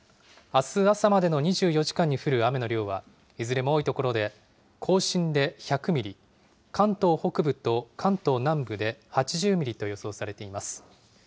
あす朝までの２４時間に降る雨の量は、いずれも多い所で甲信で１００ミリ、関東北部と関東南部で８０ミリと予想されています。